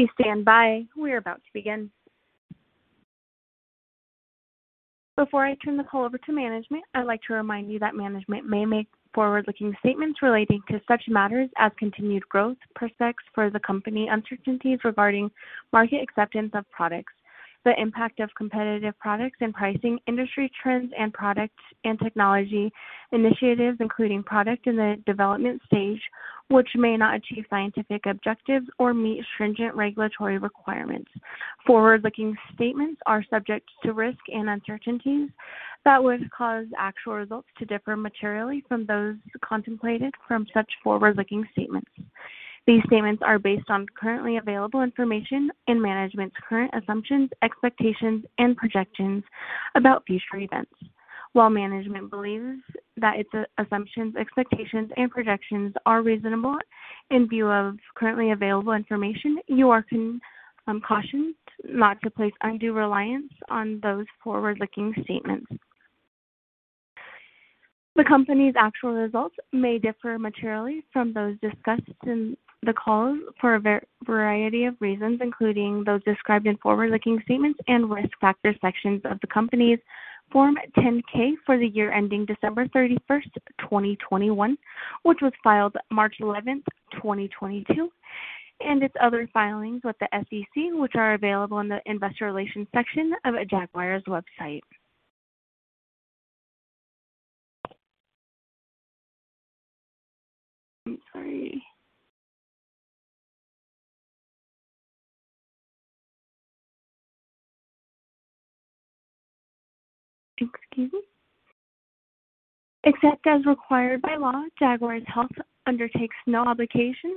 Please stand by. We're about to begin. Before I turn the call over to management, I'd like to remind you that management may make forward-looking statements relating to such matters as continued growth prospects for the company, uncertainties regarding market acceptance of products, the impact of competitive products and pricing, industry trends and products and technology initiatives, including product in the development stage, which may not achieve scientific objectives or meet stringent regulatory requirements. Forward-looking statements are subject to risks and uncertainties that would cause actual results to differ materially from those contemplated from such forward-looking statements. These statements are based on currently available information and management's current assumptions, expectations, and projections about future events. While management believes that its assumptions, expectations, and projections are reasonable in view of currently available information, you are cautioned not to place undue reliance on those forward-looking statements. The company's actual results may differ materially from those discussed in the calls for a variety of reasons, including those described in forward-looking statements and risk factor sections of the company's Form 10-K for the year ending December 31st, 2021, which was filed March 11th, 2022, and its other filings with the SEC, which are available on the investor relations section of Jaguar's website. I'm sorry. Excuse me. Except as required by law, Jaguar Health undertakes no obligation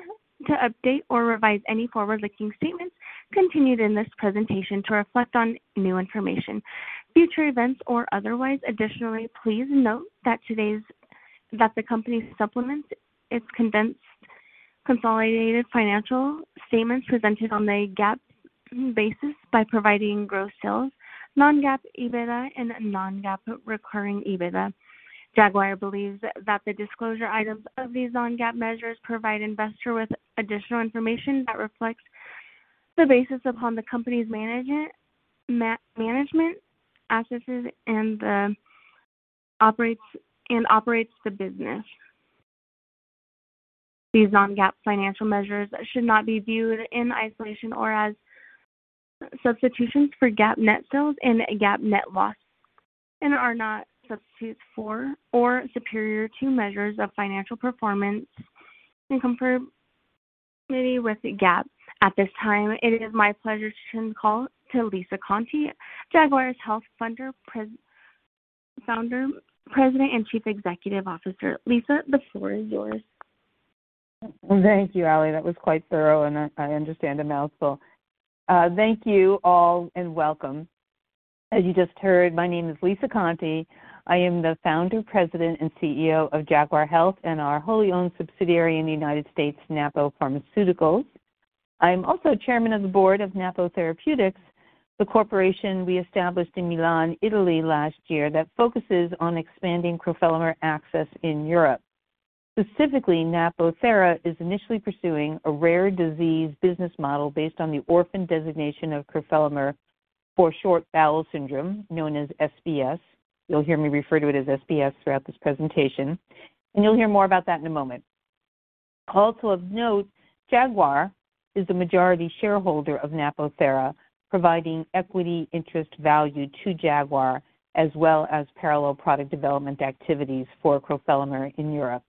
to update or revise any forward-looking statements contained in this presentation to reflect any new information, future events, or otherwise. Additionally, please note that the company supplements its condensed consolidated financial statements presented on a GAAP basis by providing gross sales, non-GAAP EBITDA, and non-GAAP recurring EBITDA. Jaguar believes that the disclosure items of these non-GAAP measures provide investor with additional information that reflects the basis upon the company's management assesses and operates the business. These non-GAAP financial measures should not be viewed in isolation or as substitutions for GAAP net sales and GAAP net loss and are not substitutes for or superior to measures of financial performance in conformity with GAAP. At this time, it is my pleasure to turn the call to Lisa Conte, Jaguar Health's Founder, President, and Chief Executive Officer. Lisa, the floor is yours. Thank you, Ally. That was quite thorough, and I understand a mouthful. Thank you all and welcome. As you just heard, my name is Lisa Conte. I am the Founder, President, and CEO of Jaguar Health and our wholly owned subsidiary in the United States, Napo Pharmaceuticals. I'm also Chairman of the Board of Napo Therapeutics, the corporation we established in Milan, Italy, last year that focuses on expanding crofelemer access in Europe. Specifically, Napo Therapeutics is initially pursuing a rare disease business model based on the orphan designation of crofelemer for short bowel syndrome, known as SBS. You'll hear me refer to it as SBS throughout this presentation, and you'll hear more about that in a moment. Also of note, Jaguar is the majority shareholder of Napo Therapeutics, providing equity interest value to Jaguar as well as parallel product development activities for crofelemer in Europe.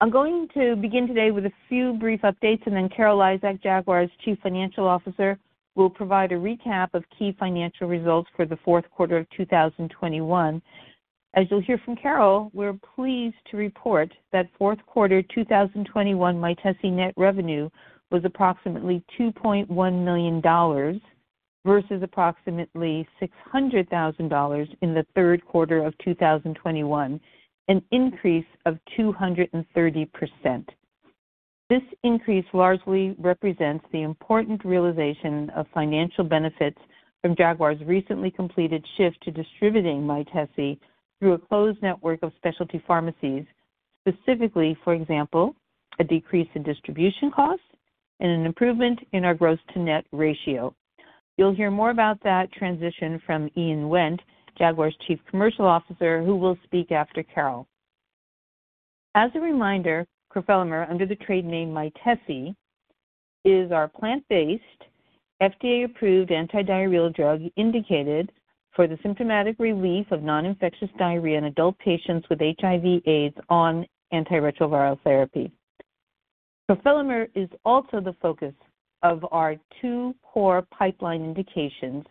I'm going to begin today with a few brief updates, and then Carol Lizak, Jaguar's Chief Financial Officer, will provide a recap of key financial results for the fourth quarter of 2021. As you'll hear from Carol, we're pleased to report that fourth quarter 2021 Mytesi net revenue was approximately $2.1 million versus approximately $600,000 in the third quarter of 2021, an increase of 230%. This increase largely represents the important realization of financial benefits from Jaguar's recently completed shift to distributing Mytesi through a closed network of specialty pharmacies, specifically, for example, a decrease in distribution costs and an improvement in our gross to net ratio. You'll hear more about that transition from Ian Wendt, Jaguar's Chief Commercial Officer, who will speak after Carol. As a reminder, crofelemer under the trade name Mytesi is our plant-based FDA-approved antidiarrheal drug indicated for the symptomatic relief of non-infectious diarrhea in adult patients with HIV/AIDS on antiretroviral therapy. Crofelemer is also the focus of our two core pipeline indications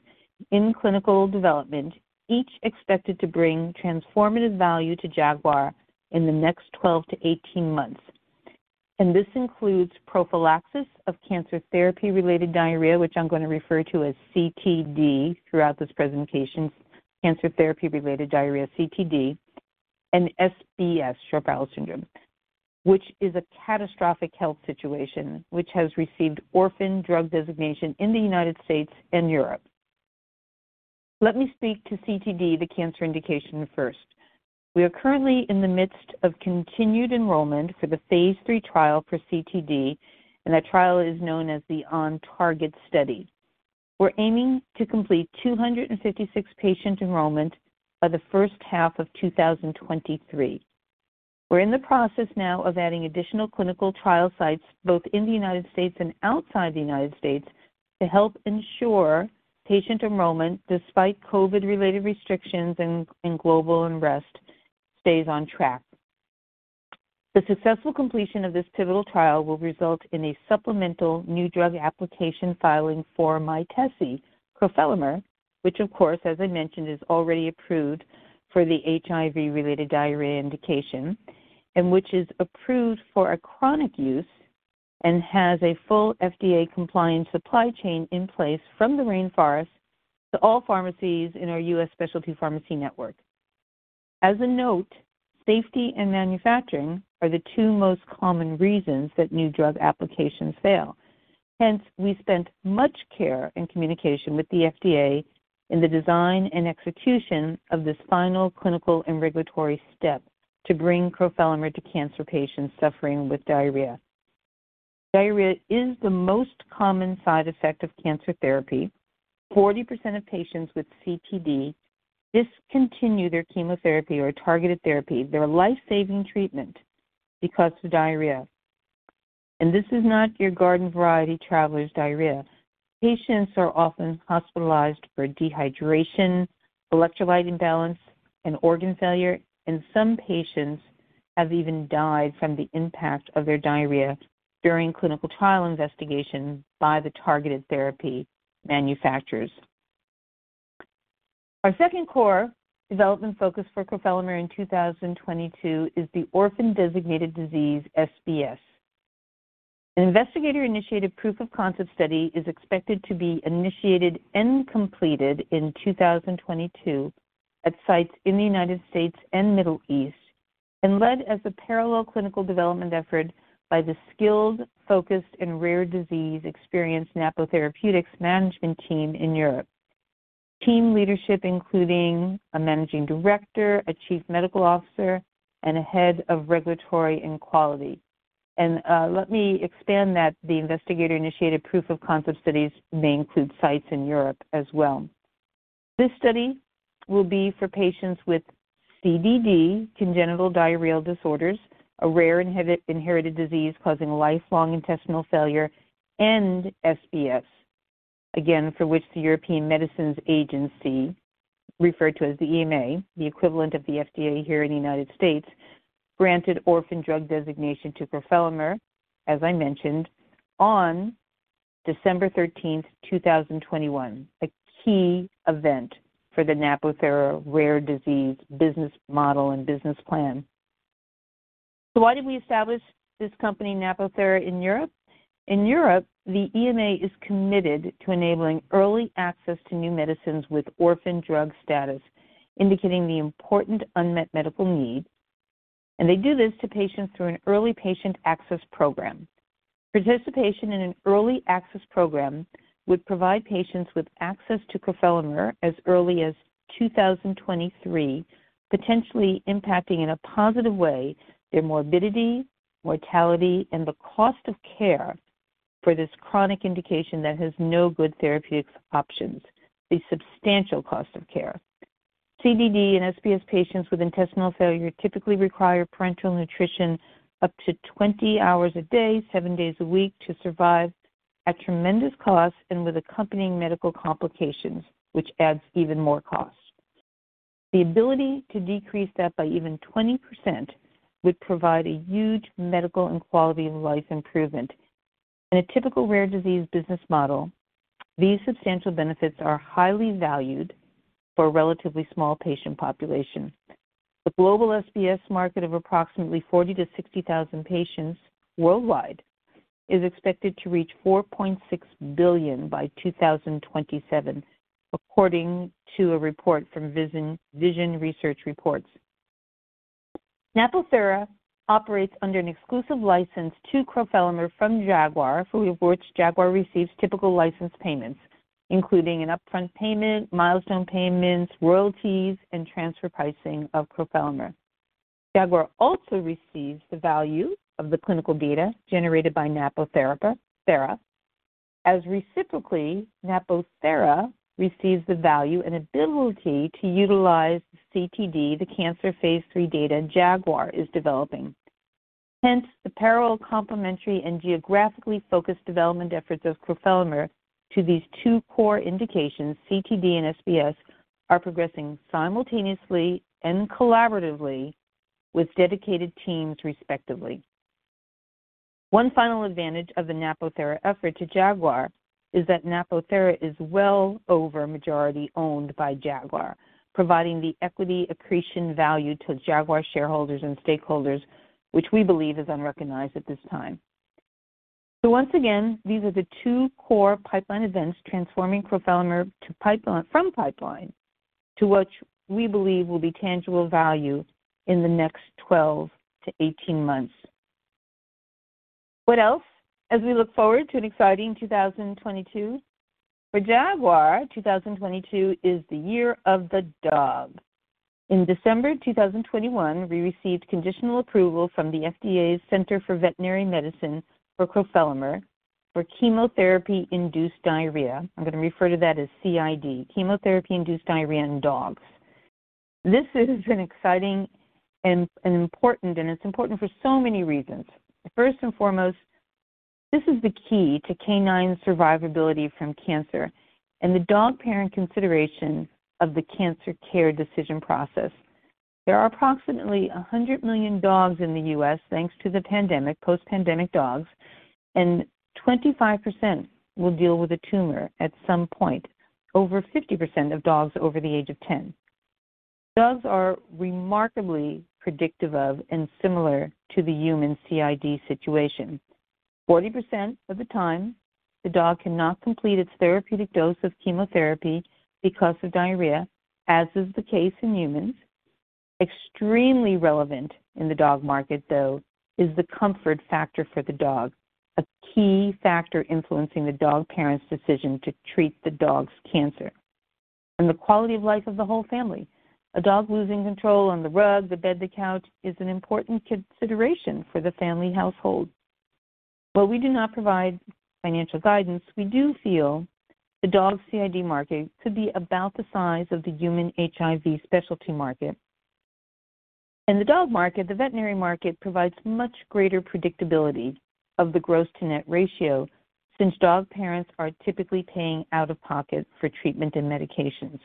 in clinical development, each expected to bring transformative value to Jaguar in the next 12-18 months. This includes prophylaxis of cancer therapy-related diarrhea, which I'm gonna refer to as CTD throughout this presentation. Cancer therapy-related diarrhea, CTD, and SBS, short bowel syndrome, which is a catastrophic health situation which has received orphan drug designation in the United States and Europe. Let me speak to CTD, the cancer indication first. We are currently in the midst of continued enrollment for the phase III trial for CTD, and that trial is known as the OnTarget study. We're aiming to complete 256 patient enrollment by the first half of 2023. We're in the process now of adding additional clinical trial sites, both in the United States and outside the United States, to help ensure patient enrollment, despite COVID-related restrictions in global unrest, stays on track. The successful completion of this pivotal trial will result in a supplemental new drug application filing for Mytesi crofelemer, which of course, as I mentioned, is already approved for the HIV-related diarrhea indication, and which is approved for a chronic use and has a full FDA compliance supply chain in place from the rainforest to all pharmacies in our U.S. specialty pharmacy network. As a note, safety and manufacturing are the two most common reasons that new drug applications fail. Hence, we spent much care and communication with the FDA in the design and execution of this final clinical and regulatory step to bring crofelemer to cancer patients suffering with diarrhea. Diarrhea is the most common side effect of cancer therapy. 40% of patients with CTD discontinue their chemotherapy or targeted therapy, their life-saving treatment, because of diarrhea. This is not your garden variety traveler's diarrhea. Patients are often hospitalized for dehydration, electrolyte imbalance, and organ failure, and some patients have even died from the impact of their diarrhea during clinical trial investigation by the targeted therapy manufacturers. Our second core development focus for crofelemer in 2022 is the orphan-designated disease SBS. An investigator-initiated proof-of-concept study is expected to be initiated and completed in 2022 at sites in the United States and Middle East, and led as a parallel clinical development effort by the skilled, focused, and rare disease experienced Napo Therapeutics management team in Europe, team leadership including a managing director, a chief medical officer, and a head of regulatory and quality. Let me expand that the investigator-initiated proof-of-concept studies may include sites in Europe as well. This study will be for patients with CDD, congenital diarrheal disorders, a rare inherited disease causing lifelong intestinal failure and SBS, again, for which the European Medicines Agency, referred to as the EMA, the equivalent of the FDA here in the United States, granted orphan drug designation to crofelemer, as I mentioned, on December13th, 2021, a key event for the Napo Therapeutics rare disease business model and business plan. Why did we establish this company, Napo Therapeutics, in Europe? In Europe, the EMA is committed to enabling early access to new medicines with orphan drug status, indicating the important unmet medical need. They do this to patients through an early patient access program. Participation in an early access program would provide patients with access to crofelemer as early as 2023, potentially impacting in a positive way their morbidity, mortality, and the cost of care for this chronic indication that has no good therapeutic options, the substantial cost of care. CDD and SBS patients with intestinal failure typically require parenteral nutrition up to 20 hours a day, seven days a week to survive at tremendous cost and with accompanying medical complications, which adds even more costs. The ability to decrease that by even 20% would provide a huge medical and quality of life improvement. In a typical rare disease business model, these substantial benefits are highly valued for a relatively small patient population. The global SBS market of approximately 40,000-60,000 patients worldwide is expected to reach $4.6 billion by 2027, according to a report from Vision Research Reports. Napo Therapeutics operates under an exclusive license to crofelemer from Jaguar, for which Jaguar receives typical license payments, including an upfront payment, milestone payments, royalties, and transfer pricing of crofelemer. Jaguar also receives the value of the clinical data generated by Napo Therapeutics, as reciprocally, Napo Therapeutics receives the value and ability to utilize CTD, the cancer phase III data Jaguar is developing. Hence, the parallel, complementary, and geographically focused development efforts of crofelemer to these two core indications, CTD and SBS, are progressing simultaneously and collaboratively with dedicated teams respectively. One final advantage of the Napo Therapeutics effort to Jaguar is that Napo Therapeutics is well over majority owned by Jaguar, providing the equity accretion value to Jaguar shareholders and stakeholders, which we believe is unrecognized at this time. Once again, these are the two core pipeline events transforming crofelemer from pipeline to what we believe will be tangible value in the next 12 to 18 months. What else? As we look forward to an exciting 2022 for Jaguar, 2022 is the Year of the Dog. In December 2021, we received conditional approval from the FDA's Center for Veterinary Medicine for crofelemer for chemotherapy-induced diarrhea. I'm gonna refer to that as CID, chemotherapy-induced diarrhea in dogs. This is an exciting and important, and it's important for so many reasons. First and foremost, this is the key to canine survivability from cancer and the dog parent consideration of the cancer care decision process. There are approximately 100 million dogs in the U.S. thanks to the pandemic, post-pandemic dogs, and 25% will deal with a tumor at some point, over 50% of dogs over the age of 10. Dogs are remarkably predictive of and similar to the human CID situation. 40% of the time, the dog cannot complete its therapeutic dose of chemotherapy because of diarrhea, as is the case in humans. Extremely relevant in the dog market, though, is the comfort factor for the dog, a key factor influencing the dog parent's decision to treat the dog's cancer and the quality of life of the whole family. A dog losing control on the rug, the bed, the couch is an important consideration for the family household. While we do not provide financial guidance, we do feel the dog CID market could be about the size of the human HIV specialty market. In the dog market, the veterinary market provides much greater predictability of the gross to net ratio since dog parents are typically paying out of pocket for treatment and medications.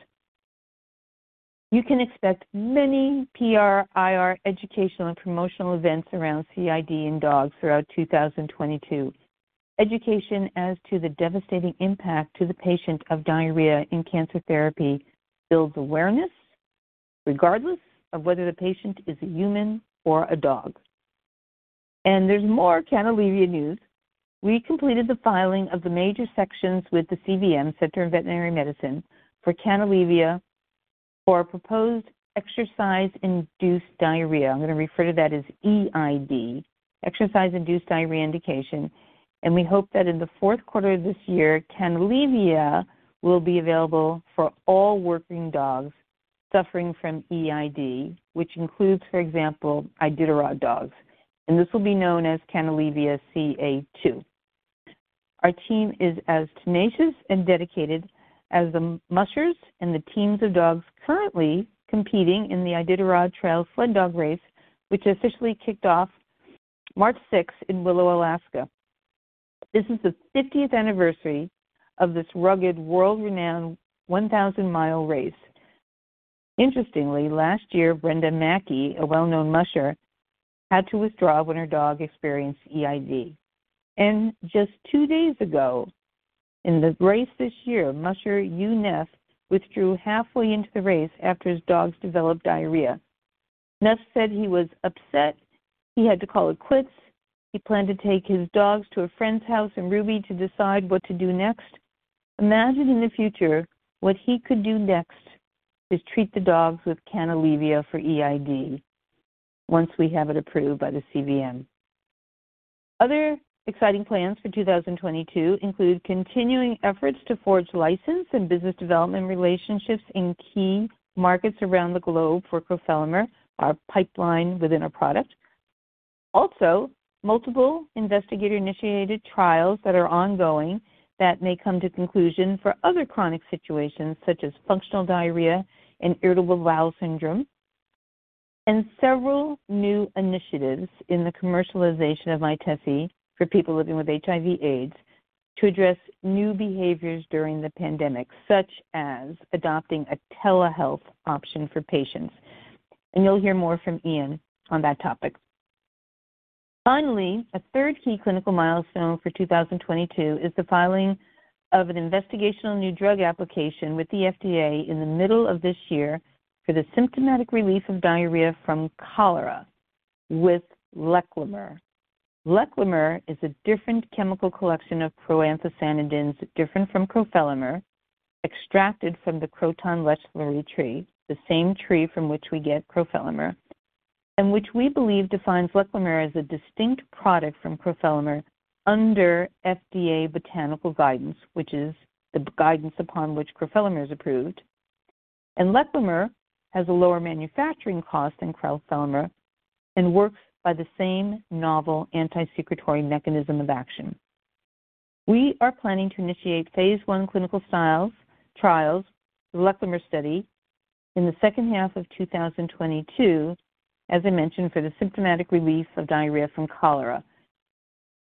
You can expect many PR, IR, educational, and promotional events around CID in dogs throughout 2022. Education as to the devastating impact to the patient of diarrhea in cancer therapy builds awareness regardless of whether the patient is a human or a dog. There's more Canalevia news. We completed the filing of the major sections with the CVM, Center for Veterinary Medicine, for Canalevia for a proposed exercise-induced diarrhea. I'm gonna refer to that as EID, exercise-induced diarrhea indication, and we hope that in the fourth quarter of this year, Canalevia will be available for all working dogs suffering from EID, which includes, for example, Iditarod dogs, and this will be known as Canalevia-CA2. Our team is as tenacious and dedicated as the mushers and the teams of dogs currently competing in the Iditarod Trail Sled Dog Race, which officially kicked off March 6th in Willow, Alaska. This is the 50th anniversary of this rugged world-renowned 1,000-mi race. Interestingly, last year, Brenda Mackey, a well-known musher, had to withdraw when her dog experienced EID. Just two days ago in the race this year, musher Hugh Neff withdrew halfway into the race after his dogs developed diarrhea. Neff said he was upset he had to call it quits. He planned to take his dogs to a friend's house in Ruby to decide what to do next. Imagine in the future what he could do next is treat the dogs with Canalevia for EID once we have it approved by the CVM. Other exciting plans for 2022 include continuing efforts to forge license and business development relationships in key markets around the globe for crofelemer, our pipeline within our product. Also, multiple investigator-initiated trials that are ongoing that may come to conclusion for other chronic situations such as functional diarrhea and irritable bowel syndrome. Several new initiatives in the commercialization of Mytesi for people living with HIV/AIDS to address new behaviors during the pandemic, such as adopting a telehealth option for patients. You'll hear more from Ian on that topic. Finally, a third key clinical milestone for 2022 is the filing of an investigational new drug application with the FDA in the middle of this year for the symptomatic relief of diarrhea from cholera with lechlemer. Lechlemer is a different chemical collection of proanthocyanidins different from crofelemer, extracted from the Croton lechleri tree, the same tree from which we get crofelemer, and which we believe defines lechlemer as a distinct product from crofelemer under FDA botanical guidance, which is the guidance upon which crofelemer is approved. Lechlemer has a lower manufacturing cost than crofelemer and works by the same novel anti-secretory mechanism of action. We are planning to initiate phase I clinical trials, the lechlemer study, in the second half of 2022, as I mentioned, for the symptomatic relief of diarrhea from cholera,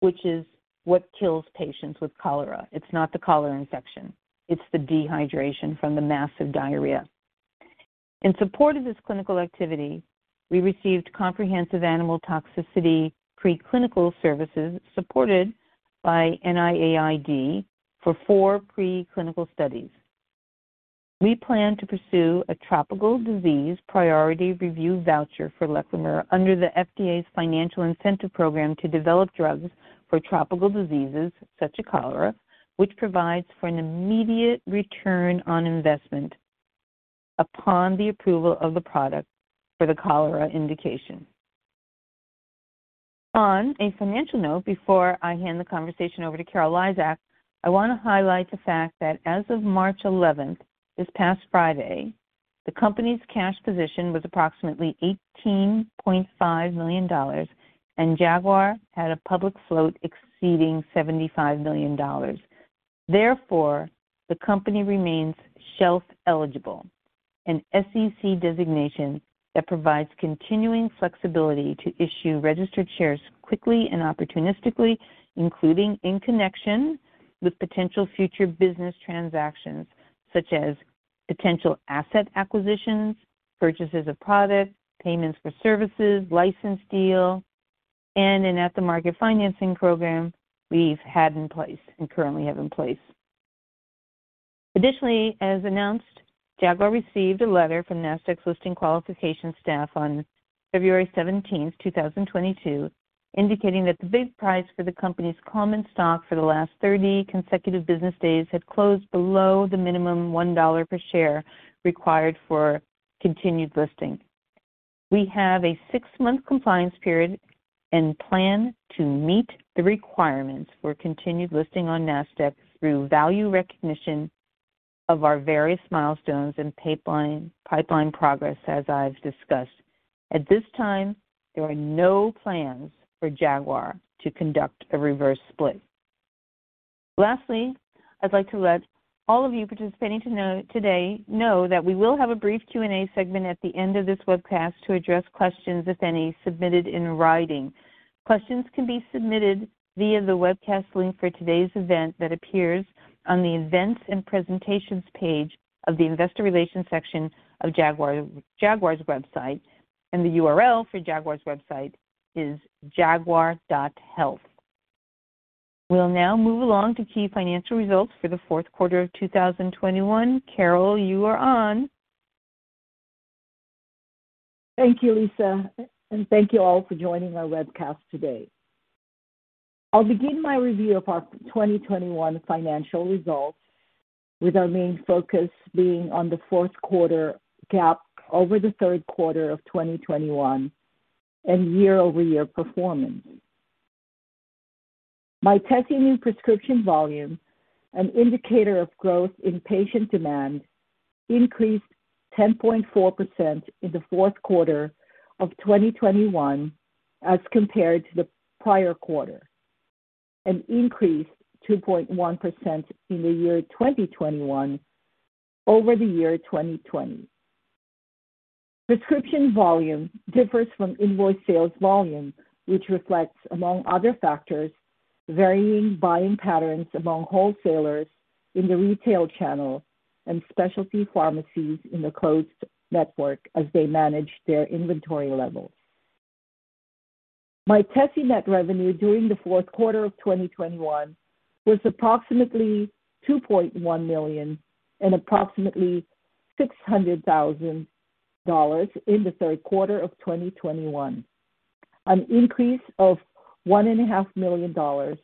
which is what kills patients with cholera. It's not the cholera infection. It's the dehydration from the massive diarrhea. In support of this clinical activity, we received comprehensive animal toxicity preclinical services supported by NIAID for four preclinical studies. We plan to pursue a Tropical Disease Priority Review Voucher for lechlemer under the FDA's financial incentive program to develop drugs for tropical diseases such as cholera, which provides for an immediate return on investment. Upon the approval of the product for the cholera indication. On a financial note, before I hand the conversation over to Carol Lizak, I wanna highlight the fact that as of March 11th, this past Friday, the company's cash position was approximately $18.5 million, and Jaguar had a public float exceeding $75 million. Therefore, the company remains shelf-eligible, an SEC designation that provides continuing flexibility to issue registered shares quickly and opportunistically, including in connection with potential future business transactions such as potential asset acquisitions, purchases of products, payments for services, license deal, and an at-the-market financing program we've had in place and currently have in place. Additionally, as announced, Jaguar received a letter from Nasdaq's listing qualification staff on February 17th, 2022, indicating that the bid price for the company's common stock for the last 30 consecutive business days had closed below the minimum $1 per share required for continued listing. We have a six-month compliance period and plan to meet the requirements for continued listing on Nasdaq through value recognition of our various milestones and pipeline progress, as I've discussed. At this time, there are no plans for Jaguar to conduct a reverse split. Lastly, I'd like to let all of you participating today know that we will have a brief Q&A segment at the end of this webcast to address questions, if any, submitted in writing. Questions can be submitted via the webcast link for today's event that appears on the Events and Presentations page of the Investor Relations section of Jaguar's website. The URL for Jaguar's website is jaguar.health. We'll now move along to key financial results for the fourth quarter of 2021. Carol, you are on. Thank you, Lisa, and thank you all for joining our webcast today. I'll begin my review of our 2021 financial results, with our main focus being on the fourth quarter GAAP over the third quarter of 2021 and year-over-year performance. Mytesi in prescription volume, an indicator of growth in patient demand, increased 10.4% in the fourth quarter of 2021 as compared to the prior quarter, an increase of 2.1% in the year 2021 over the year 2020. Prescription volume differs from invoice sales volume, which reflects, among other factors, varying buying patterns among wholesalers in the retail channel and specialty pharmacies in the closed network as they manage their inventory levels. Mytesi net revenue during the fourth quarter of 2021 was approximately $2.1 million and approximately $600,000 in the third quarter of 2021, an increase of $1.5 million or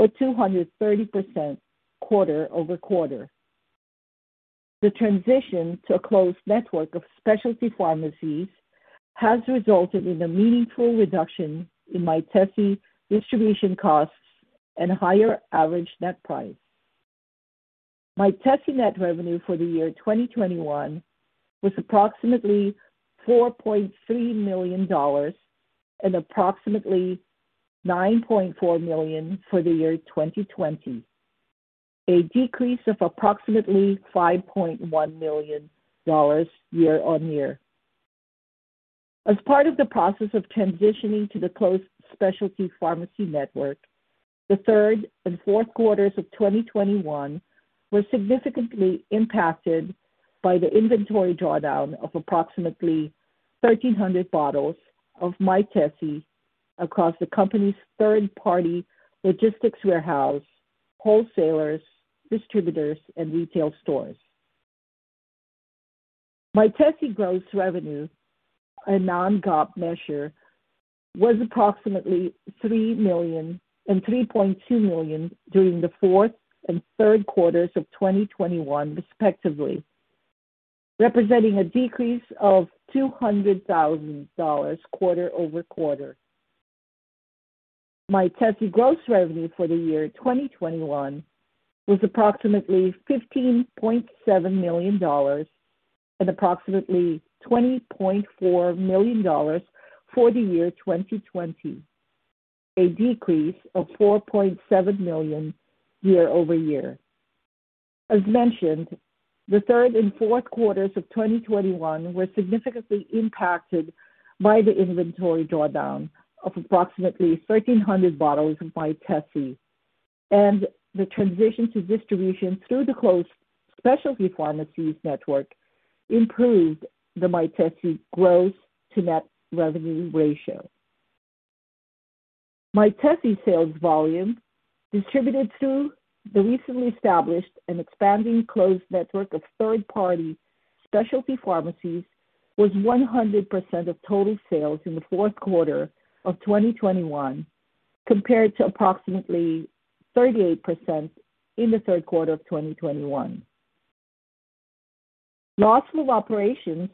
230% quarter-over-quarter. The transition to a closed network of specialty pharmacies has resulted in a meaningful reduction in Mytesi distribution costs and higher average net price. Mytesi net revenue for the year 2021 was approximately $4.3 million and approximately $9.4 million for the year 2020, a decrease of approximately $5.1 million year over year. As part of the process of transitioning to the closed specialty pharmacy network, the third and fourth quarters of 2021 were significantly impacted by the inventory drawdown of approximately 1,300 bottles of Mytesi across the company's third-party logistics warehouse, wholesalers, distributors, and retail stores. Mytesi gross revenue, a non-GAAP measure, was approximately $3 million and $3.2 million during the fourth and third quarters of 2021 respectively, representing a decrease of $200,000 quarter-over-quarter. Mytesi gross revenue for the year 2021 was approximately $15.7 million and approximately $20.4 million for the year 2020, a decrease of $4.7 million year-over-year. As mentioned, the third and fourth quarters of 2021 were significantly impacted by the inventory drawdown of approximately 1,300 bottles of Mytesi and the transition to distribution through the closed specialty pharmacies network improved the Mytesi gross-to-net revenue ratio. Mytesi sales volume distributed through the recently established and expanding closed network of third-party specialty pharmacies was 100% of total sales in the fourth quarter of 2021. Compared to approximately 38% in the third quarter of 2021. Loss from operations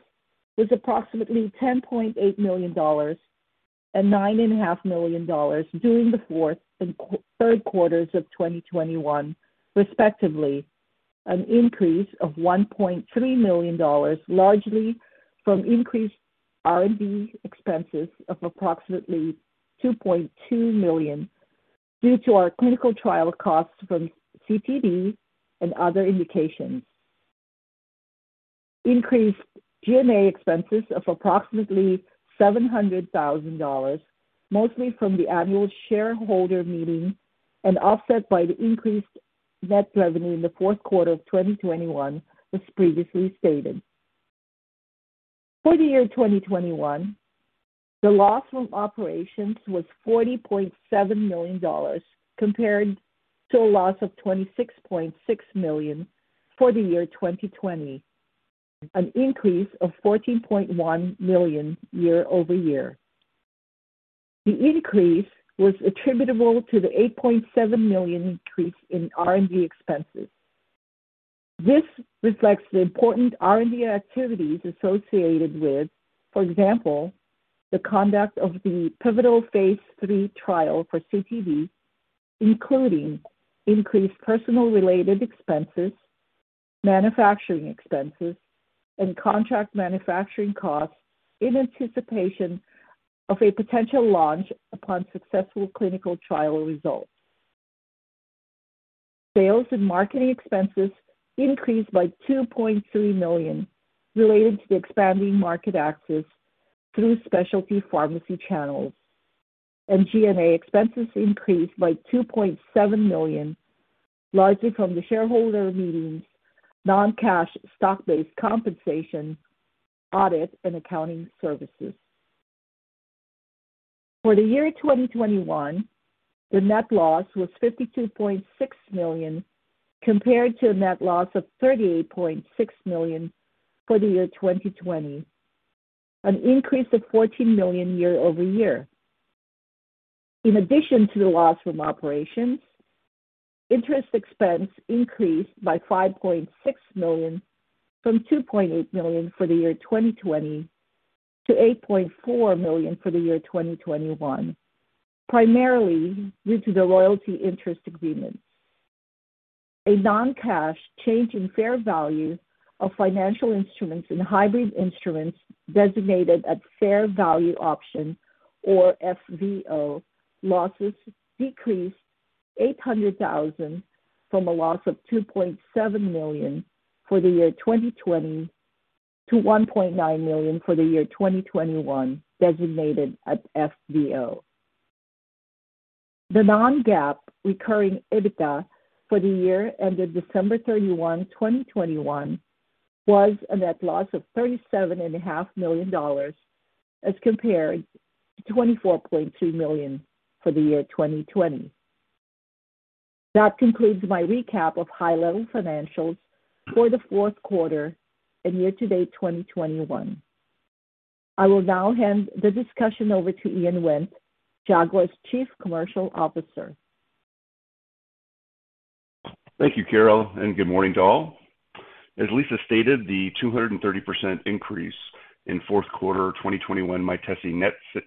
was approximately $10.8 million and $9.5 million during the fourth and third quarters of 2021 respectively, an increase of $1.3 million, largely from increased R&D expenses of approximately $2.2 million due to our clinical trial costs from CTD and other indications. Increased G&A expenses of approximately $700,000, mostly from the annual shareholder meeting and offset by the increased net revenue in the fourth quarter of 2021, as previously stated. For the year 2021, the loss from operations was $40.7 million compared to a loss of $26.6 million for the year 2020, an increase of $14.1 million year-over-year. The increase was attributable to the $8.7 million increase in R&D expenses. This reflects the important R&D activities associated with, for example, the conduct of the pivotal phase III trial for CTD, including increased personal related expenses, manufacturing expenses, and contract manufacturing costs in anticipation of a potential launch upon successful clinical trial results. Sales and marketing expenses increased by $2.3 million related to the expanding market access through specialty pharmacy channels. G&A expenses increased by $2.7 million, largely from the shareholder meetings, non-cash stock-based compensation, audit and accounting services. For the year 2021, the net loss was $52.6 million compared to a net loss of $38.6 million for the year 2020, an increase of $14 million year-over-year. In addition to the loss from operations, interest expense increased by $5.6 million from $2.8 million for the year 2020 to $8.4 million for the year 2021, primarily due to the royalty interest agreement. A non-cash change in fair value of financial instruments and hybrid instruments designated at fair value option or FVO losses decreased $800,000 from a loss of $2.7 million for the year 2020 to $1.9 million for the year 2021, designated at FVO. The non-GAAP recurring EBITDA for the year ended December 31, 2021 was a net loss of $37.5 Million as compared to $24.2 million for the year 2020. That concludes my recap of high-level financials for the fourth quarter and year-to-date 2021. I will now hand the discussion over to Ian Wendt, Jaguar's Chief Commercial Officer. Thank you, Carol, and good morning to all. As Lisa stated, the 230% increase in fourth quarter 2021 Mytesi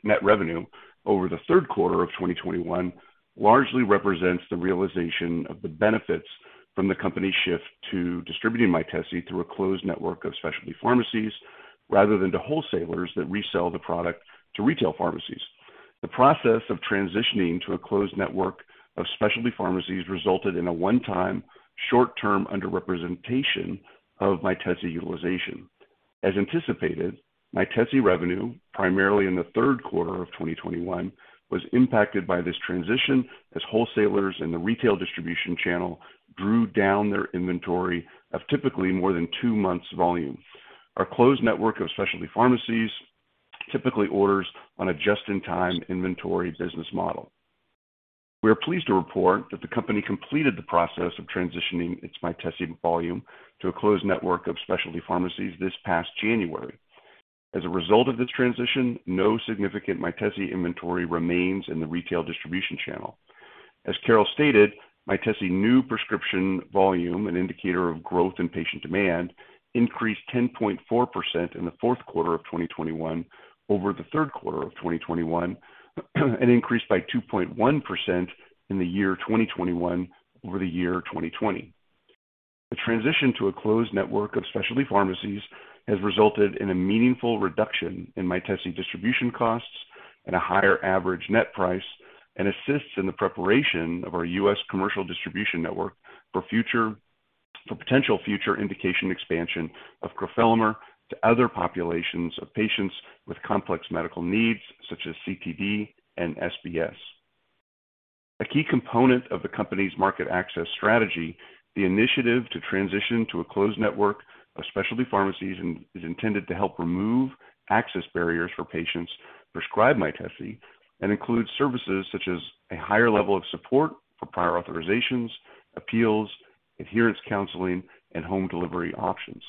net revenue over the third quarter of 2021 largely represents the realization of the benefits from the company's shift to distributing Mytesi through a closed network of specialty pharmacies rather than to wholesalers that resell the product to retail pharmacies. The process of transitioning to a closed network of specialty pharmacies resulted in a one-time short-term underrepresentation of Mytesi utilization. As anticipated, Mytesi revenue, primarily in the third quarter of 2021, was impacted by this transition as wholesalers in the retail distribution channel drew down their inventory of typically more than two months volume. Our closed network of specialty pharmacies typically orders on a just-in-time inventory business model. We are pleased to report that the company completed the process of transitioning its Mytesi volume to a closed network of specialty pharmacies this past January. As a result of this transition, no significant Mytesi inventory remains in the retail distribution channel. As Carol stated, Mytesi new prescription volume, an indicator of growth in patient demand, increased 10.4% in the fourth quarter of 2021 over the third quarter of 2021 and increased by 2.1% in the year 2021 over the year 2020. The transition to a closed network of specialty pharmacies has resulted in a meaningful reduction in Mytesi distribution costs at a higher average net price and assists in the preparation of our U.S. commercial distribution network for potential future indication expansion of crofelemer to other populations of patients with complex medical needs such as CTD and SBS. A key component of the company's market access strategy, the initiative to transition to a closed network of specialty pharmacies is intended to help remove access barriers for patients prescribed Mytesi and includes services such as a higher level of support for prior authorizations, appeals, adherence counseling, and home delivery options.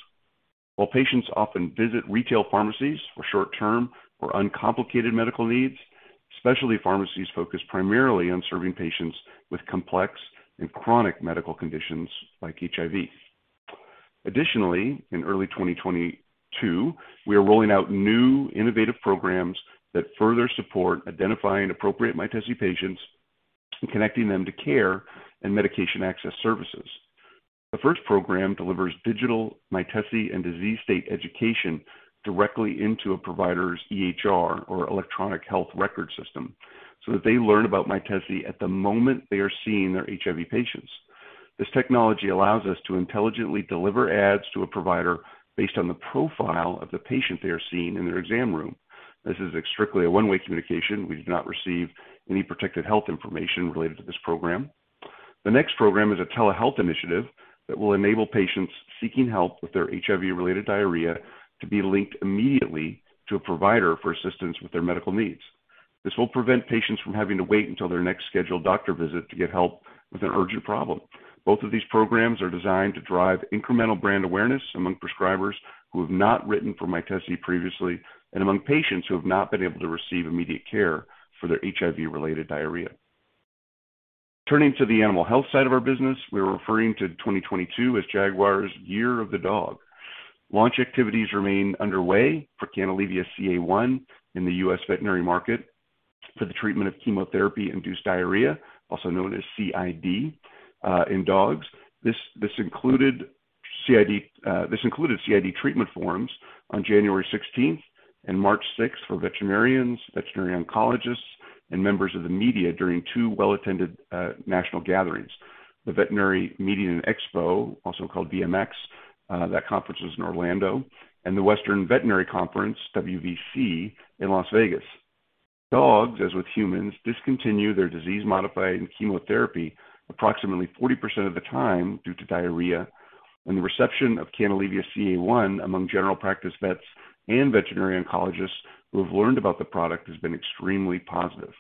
While patients often visit retail pharmacies for short-term or uncomplicated medical needs, specialty pharmacies focus primarily on serving patients with complex and chronic medical conditions like HIV. Additionally, in early 2022, we are rolling out new innovative programs that further support identifying appropriate Mytesi patients and connecting them to care and medication access services. The first program delivers digital Mytesi and disease state education directly into a provider's EHR or electronic health record system so that they learn about Mytesi at the moment they are seeing their HIV patients. This technology allows us to intelligently deliver ads to a provider based on the profile of the patient they are seeing in their exam room. This is strictly a one-way communication. We do not receive any protected health information related to this program. The next program is a telehealth initiative that will enable patients seeking help with their HIV-related diarrhea to be linked immediately to a provider for assistance with their medical needs. This will prevent patients from having to wait until their next scheduled doctor visit to get help with an urgent problem. Both of these programs are designed to drive incremental brand awareness among prescribers who have not written for Mytesi previously and among patients who have not been able to receive immediate care for their HIV-related diarrhea. Turning to the animal health side of our business, we're referring to 2022 as Jaguar's Year of the Dog. Launch activities remain underway for Canalevia-CA1 in the U.S. veterinary market for the treatment of chemotherapy-induced diarrhea, also known as CID, in dogs. This included CID treatment forums on January 16th and March 6th for veterinarians, veterinary oncologists, and members of the media during two well-attended national gatherings. The Veterinary Meeting and Expo, also called VMX, that conference was in Orlando, and the Western Veterinary Conference, WVC, in Las Vegas. Dogs, as with humans, discontinue their disease-modifying chemotherapy approximately 40% of the time due to diarrhea, and the reception of Canalevia-CA1 among general practice vets and veterinary oncologists who have learned about the product has been extremely positive.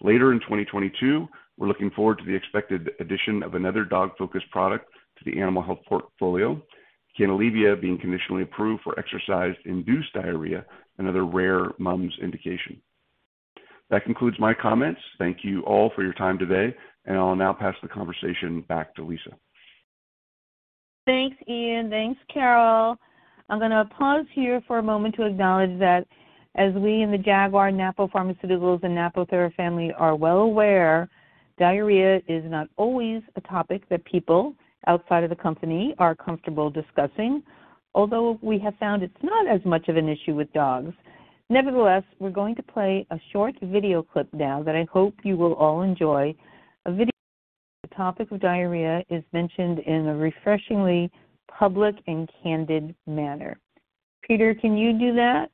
Later in 2022, we're looking forward to the expected addition of another dog-focused product to the animal health portfolio, Canalevia being conditionally approved for exercise-induced diarrhea, another rare MUMS indication. That concludes my comments. Thank you all for your time today, and I'll now pass the conversation back to Lisa. Thanks, Ian. Thanks, Carol. I'm gonna pause here for a moment to acknowledge that as we in the Jaguar, Napo Pharmaceuticals and Napo Therapeutics family are well aware, diarrhea is not always a topic that people outside of the company are comfortable discussing. Although we have found it's not as much of an issue with dogs. Nevertheless, we're going to play a short video clip now that I hope you will all enjoy, a video where the topic of diarrhea is mentioned in a refreshingly public and candid manner. Peter, can you do that?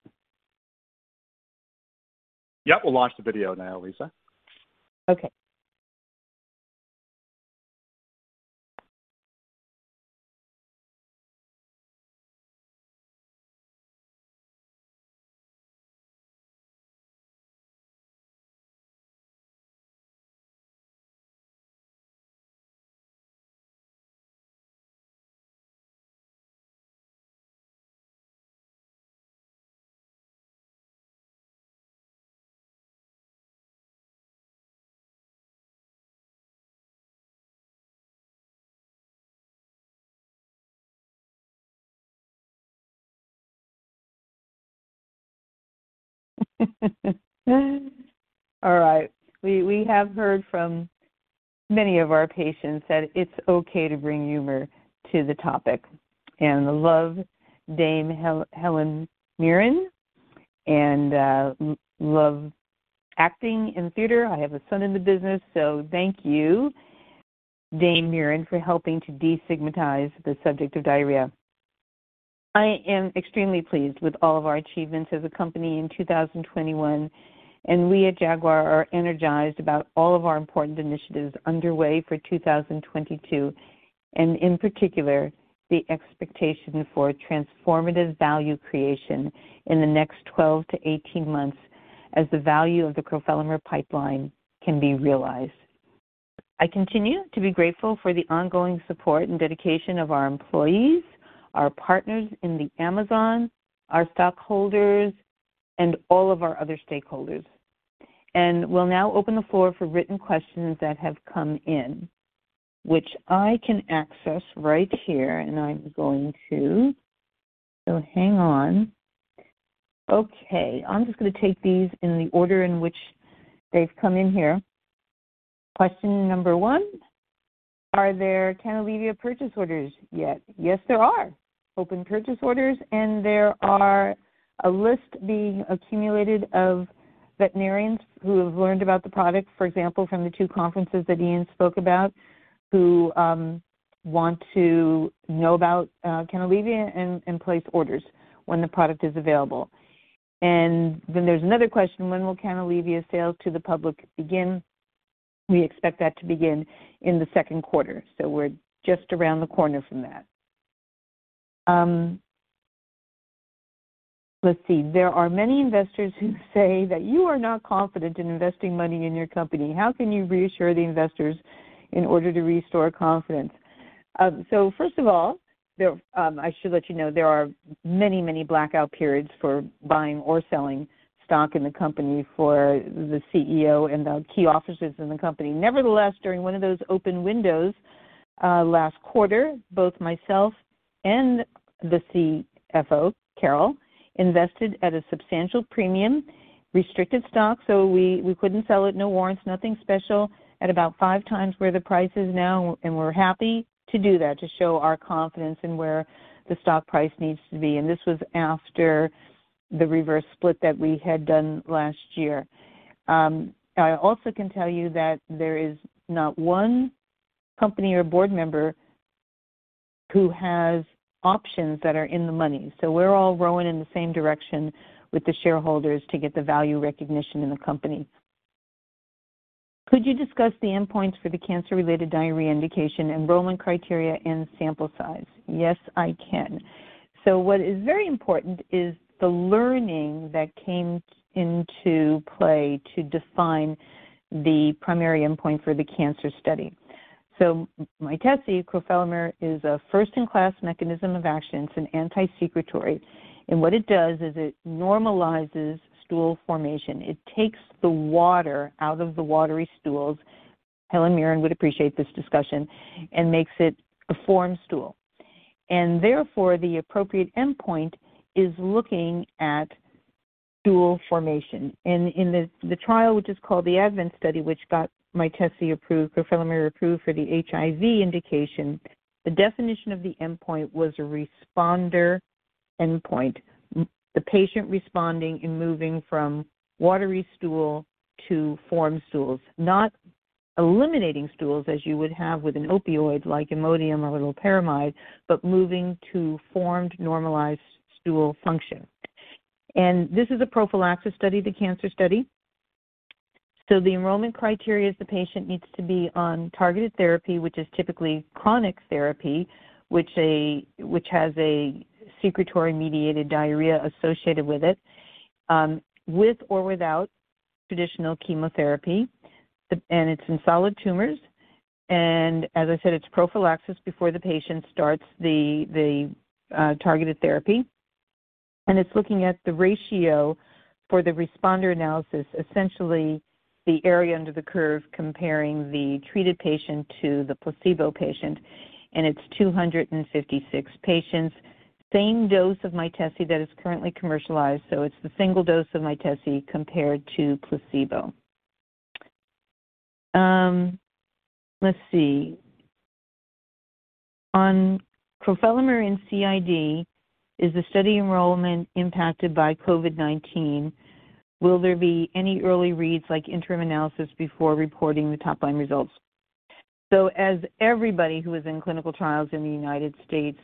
Yep. We'll launch the video now, Lisa. Okay. All right. We have heard from many of our patients that it's okay to bring humor to the topic. I love Dame Helen Mirren, and love acting in theater. I have a son in the business. Thank you, Dame Mirren, for helping to destigmatize the subject of diarrhea. I am extremely pleased with all of our achievements as a company in 2021, and we at Jaguar are energized about all of our important initiatives underway for 2022. In particular, the expectation for transformative value creation in the next 12-18 months as the value of the crofelemer pipeline can be realized. I continue to be grateful for the ongoing support and dedication of our employees, our partners in the Amazon, our stockholders, and all of our other stakeholders. We'll now open the floor for written questions that have come in, which I can access right here, and I'm going to. Hang on. Okay. I'm just gonna take these in the order in which they've come in here. Question number one, are there Canalevia purchase orders yet? Yes, there are open purchase orders, and there is a list being accumulated of veterinarians who have learned about the product, for example, from the two conferences that Ian spoke about, who want to know about Canalevia and place orders when the product is available. Then there's another question, when will Canalevia sales to the public begin? We expect that to begin in the second quarter, so we're just around the corner from that. Let's see. There are many investors who say that you are not confident in investing money in your company. How can you reassure the investors in order to restore confidence? First of all, I should let you know there are many, many blackout periods for buying or selling stock in the company for the CEO and the key officers in the company. Nevertheless, during one of those open windows, last quarter, both myself and the CFO, Carol, invested at a substantial premium restricted stock, so we couldn't sell it, no warrants, nothing special, at about 5x where the price is now, and we're happy to do that to show our confidence in where the stock price needs to be. This was after the reverse split that we had done last year. I also can tell you that there is not one company or board member who has options that are in the money. We're all rowing in the same direction with the shareholders to get the value recognition in the company. Could you discuss the endpoints for the cancer-related diarrhea indication, enrollment criteria and sample size? Yes, I can. What is very important is the learning that came into play to define the primary endpoint for the cancer study. Mytesi crofelemer is a first-in-class mechanism of action. It's an antisecretory. What it does is it normalizes stool formation. It takes the water out of the watery stools, Helen Mirren would appreciate this discussion, and makes it a formed stool. Therefore, the appropriate endpoint is looking at stool formation. In the trial, which is called the ADVENT study, which got Mytesi approved, crofelemer approved for the HIV indication, the definition of the endpoint was a responder endpoint. The patient responding and moving from watery stool to formed stools, not eliminating stools as you would have with an opioid like Imodium or loperamide, but moving to formed, normalized stool function. This is a prophylaxis study, the cancer study. The enrollment criteria is the patient needs to be on targeted therapy, which is typically chronic therapy, which has a secretory mediated diarrhea associated with it, with or without traditional chemotherapy, and it's in solid tumors. As I said, it's prophylaxis before the patient starts the targeted therapy. It's looking at the ratio for the responder analysis, essentially the area under the curve comparing the treated patient to the placebo patient, and it's 256 patients. Same dose of Mytesi that is currently commercialized, so it's the single dose of Mytesi compared to placebo. Let's see. On crofelemer in CID, is the study enrollment impacted by COVID-19? Will there be any early reads like interim analysis before reporting the top line results? As everybody who is in clinical trials in the United States,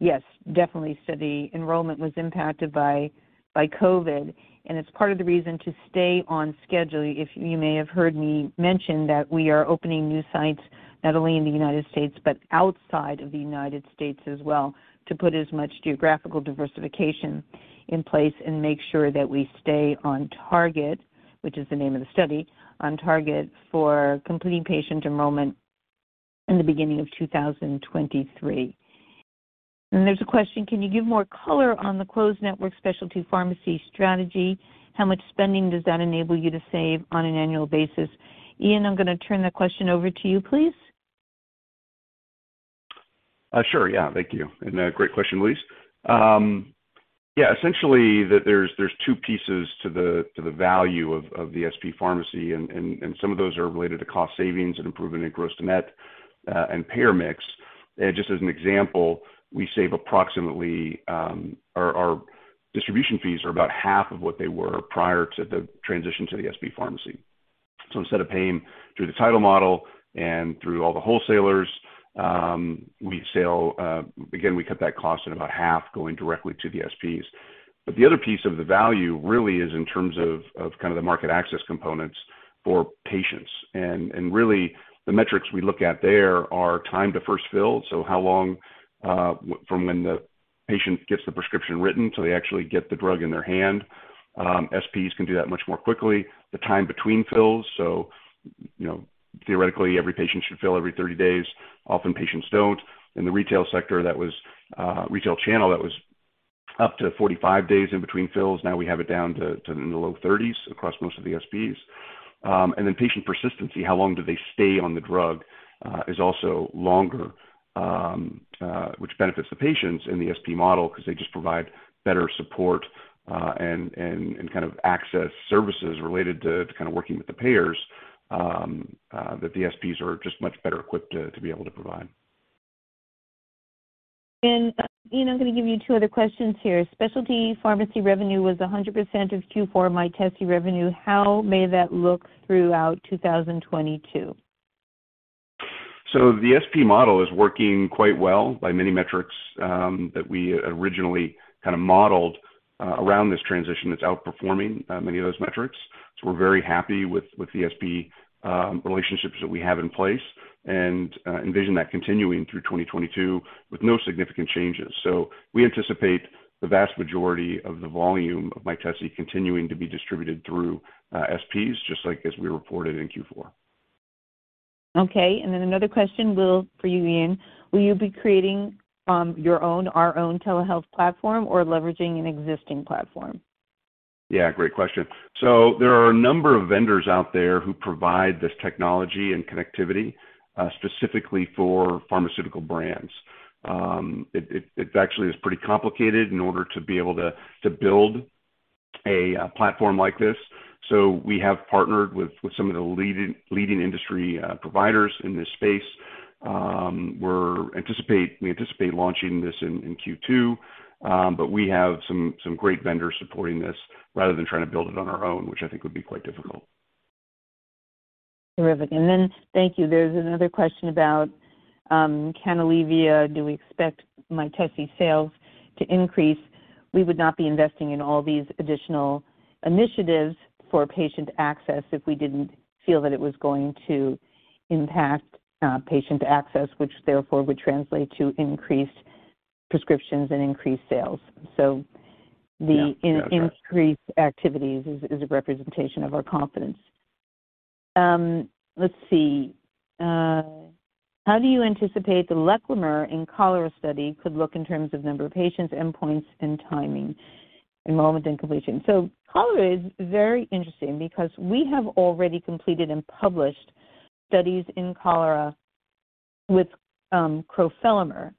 yes, definitely study enrollment was impacted by COVID, and it's part of the reason to stay on schedule. If you may have heard me mention that we are opening new sites, not only in the United States, but outside of the United States as well, to put as much geographical diversification in place and make sure that we stay on OnTarget, which is the name of the study, OnTarget for completing patient enrollment in the beginning of 2023. There's a question, can you give more color on the closed network specialty pharmacy strategy? How much spending does that enable you to save on an annual basis? Ian, I'm gonna turn the question over to you, please. Sure. Yeah. Thank you. Great question, Lisa. Yeah, essentially, there's two pieces to the value of the SP pharmacy and some of those are related to cost savings and improvement in gross to net and payer mix. Just as an example, we save approximately. Our distribution fees are about half of what they were prior to the transition to the SP pharmacy. Instead of paying through the wholesale model and through all the wholesalers, we, again, cut that cost in about half going directly to the SPs. The other piece of the value really is in terms of kind of the market access components for patients. Really the metrics we look at there are time to first fill, so how long from when the patient gets the prescription written till they actually get the drug in their hand. SPs can do that much more quickly. The time between fills, so you know, theoretically, every patient should fill every 30 days. Often patients don't. In the retail sector, that was retail channel, that was up to 45 days in between fills. Now we have it down to in the low 30s across most of the SPs. Patient persistency, how long do they stay on the drug, is also longer, which benefits the patients in the SP model 'cause they just provide better support, and kind of access services related to kind of working with the payers, that the SPs are just much better equipped to be able to provide. Ian, I'm gonna give you two other questions here. Specialty pharmacy revenue was 100% of Q4 Mytesi revenue. How might that look throughout 2022? The SP model is working quite well by many metrics that we originally kinda modeled around this transition. It's outperforming many of those metrics. We're very happy with the SP relationships that we have in place. We envision that continuing through 2022 with no significant changes. We anticipate the vast majority of the volume of Mytesi continuing to be distributed through SPs, just like as we reported in Q4. Okay. Another question, Will, for you, Ian. Will you be creating our own telehealth platform or leveraging an existing platform? Yeah, great question. There are a number of vendors out there who provide this technology and connectivity, specifically for pharmaceutical brands. It actually is pretty complicated in order to be able to build a platform like this. We have partnered with some of the leading industry providers in this space. We anticipate launching this in Q2. We have some great vendors supporting this rather than trying to build it on our own, which I think would be quite difficult. Terrific. Thank you. There's another question about Canalevia. Do we expect Mytesi sales to increase? We would not be investing in all these additional initiatives for patient access if we didn't feel that it was going to impact patient access, which therefore would translate to increased prescriptions and increased sales. Yeah. That's right. Increased activities is a representation of our confidence. How do you anticipate the lechlemer in cholera study could look in terms of number of patients, endpoints, and timing, enrollment, and completion? Cholera is very interesting because we have already completed and published studies in cholera with crofelemer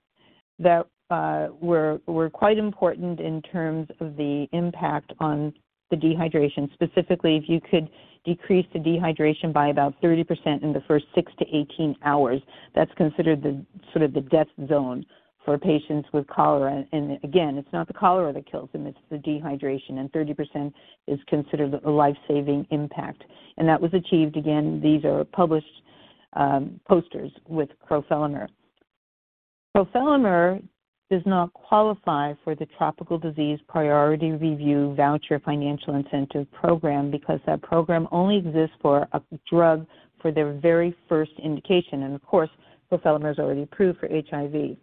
that were quite important in terms of the impact on the dehydration. Specifically, if you could decrease the dehydration by about 30% in the first six-18 hours, that's considered the sort of the death zone for patients with cholera. Again, it's not the cholera that kills them, it's the dehydration, and 30% is considered a life-saving impact. That was achieved, again, these are published posters with crofelemer. Crofelemer does not qualify for the Tropical Disease Priority Review Voucher financial incentive program because that program only exists for a drug for their very first indication. Of course, crofelemer is already approved for HIV.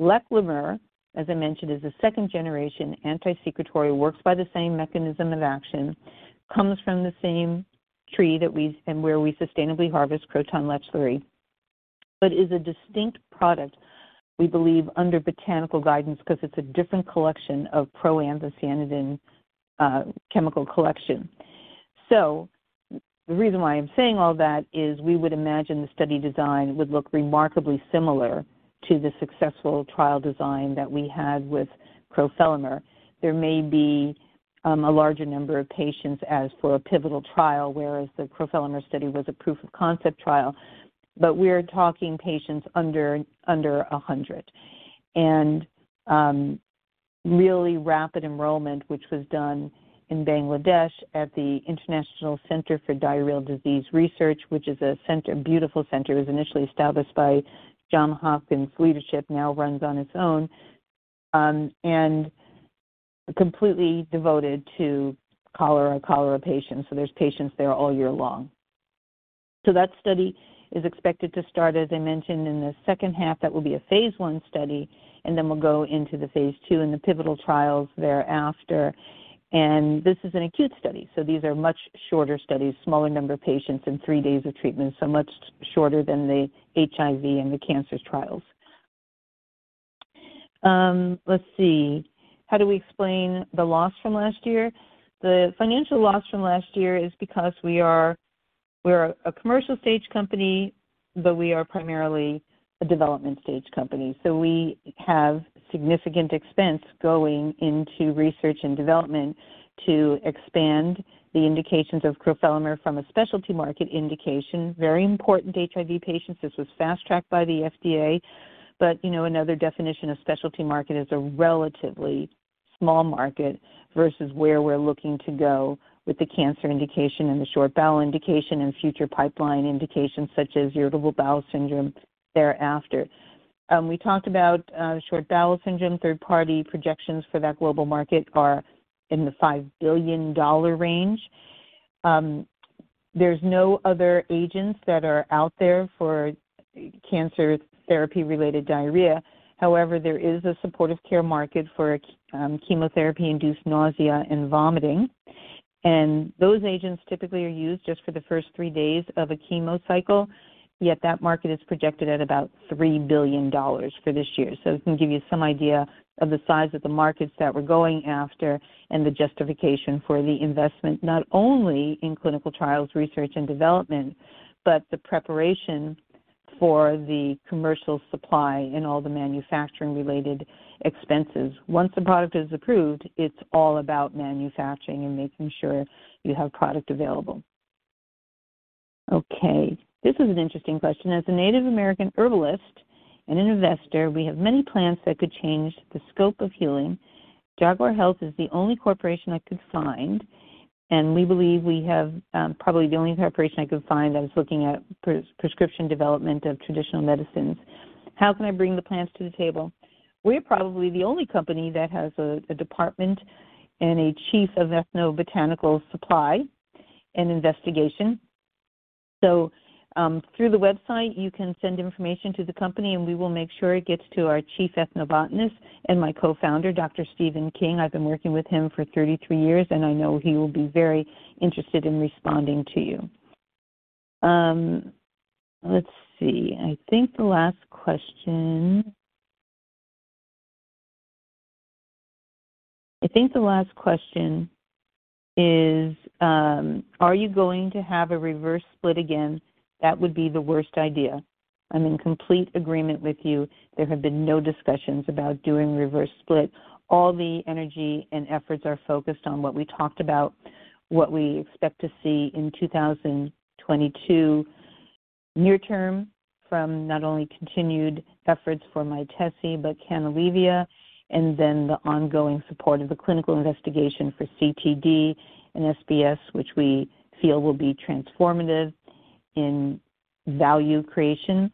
Lechlemer, as I mentioned, is a second-generation anti-secretory, works by the same mechanism of action, comes from the same tree that we sustainably harvest Croton lechleri, but is a distinct product, we believe, under botanical guidance because it's a different collection of proanthocyanidin chemical collection. The reason why I'm saying all that is we would imagine the study design would look remarkably similar to the successful trial design that we had with crofelemer. There may be a larger number of patients as for a pivotal trial, whereas the crofelemer study was a proof of concept trial. We're talking patients under 100. Really rapid enrollment, which was done in Bangladesh at the International Center for Diarrheal Disease Research, which is a center, beautiful center. It was initially established by Johns Hopkins leadership, now runs on its own, and completely devoted to cholera patients, so there's patients there all year long. That study is expected to start, as I mentioned in the second half. That will be a phase I study, and then we'll go into the phase II and the pivotal trials thereafter. This is an acute study, so these are much shorter studies, smaller number of patients and three days of treatment, so much shorter than the HIV and the cancers trials. Let's see. How do we explain the loss from last year? The financial loss from last year is because we are, we're a commercial stage company, but we are primarily a development stage company. We have significant expense going into research and development to expand the indications of crofelemer from a specialty market indication. Very important HIV patients. This was fast-tracked by the FDA. You know, another definition of specialty market is a relatively small market versus where we're looking to go with the cancer indication and the short bowel indication and future pipeline indications such as irritable bowel syndrome thereafter. We talked about short bowel syndrome. Third-party projections for that global market are in the $5 billion range. There's no other agents that are out there for cancer therapy-related diarrhea. However, there is a supportive care market for chemotherapy-induced nausea and vomiting. Those agents typically are used just for the first three days of a chemo cycle, yet that market is projected at about $3 billion for this year. It can give you some idea of the size of the markets that we're going after and the justification for the investment, not only in clinical trials, research and development, but the preparation for the commercial supply and all the manufacturing-related expenses. Once the product is approved, it's all about manufacturing and making sure you have product available. Okay, this is an interesting question. As a Native American herbalist and an investor, we have many plans that could change the scope of healing. Jaguar Health is the only corporation I could find, and we believe we have probably the only corporation I could find that was looking at prescription development of traditional medicines. How can I bring the plants to the table? We're probably the only company that has a department and a chief of ethnobotanical supply and investigation. Through the website, you can send information to the company, and we will make sure it gets to our chief ethnobotanist and my co-Founder, Dr. Steven King. I've been working with him for 33 years, and I know he will be very interested in responding to you. Let's see. I think the last question is, are you going to have a reverse split again? That would be the worst idea. I'm in complete agreement with you. There have been no discussions about doing reverse split. All the energy and efforts are focused on what we talked about, what we expect to see in 2022 near term from not only continued efforts for Mytesi but Canalevia and then the ongoing support of the clinical investigation for CTD and SBS which we feel will be transformative in value creation.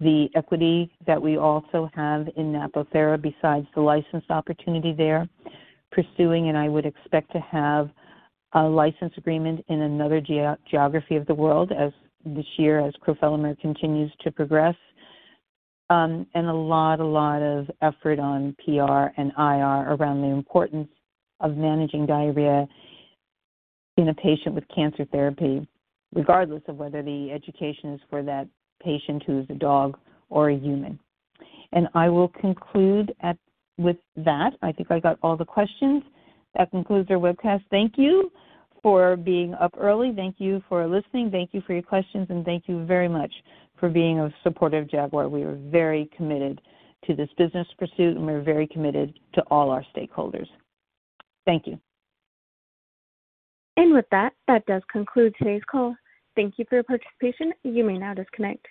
The equity that we also have in Napo Therapeutics besides the license opportunity they're pursuing, and I would expect to have a license agreement in another geography of the world this year as crofelemer continues to progress. A lot of effort on PR and IR around the importance of managing diarrhea in a patient with cancer therapy, regardless of whether the education is for that patient who's a dog or a human. I will conclude with that. I think I got all the questions. That concludes our webcast. Thank you for being up early. Thank you for listening. Thank you for your questions, and thank you very much for being a supportive Jaguar. We are very committed to this business pursuit, and we're very committed to all our stakeholders. Thank you. With that does conclude today's call. Thank you for your participation. You may now disconnect.